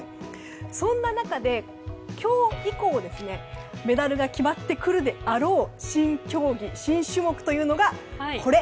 そんな中で今日以降でメダルが決まってくるであろう新競技、新種目というのがこれ。